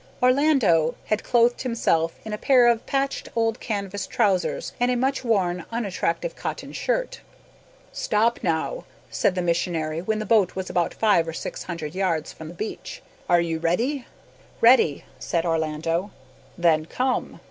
Orlando had clothed himself in a pair of patched old canvas trousers, and a much worn unattractive cotton shirt. "Stop now," said the missionary, when the boat was about five or six hundred yards from the beach. "Are you ready?" "Ready," said Orlando. "Then come."